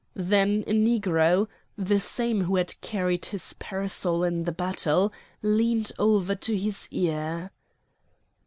Then a Negro (the same who had carried his parasol in the battle) leaned over to his ear.